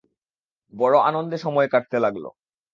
বড় আনন্দে সময় কাটতে লাগল।